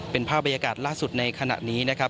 เป็นภาพบรรยากาศล่าสุดในขณะนี้นะครับ